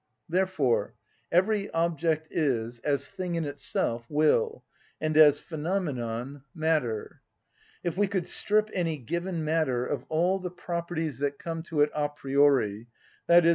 Therefore every object is, as thing in itself, will, and as phenomenon, matter. If we could strip any given matter of all the properties that come to it a priori, _i.e.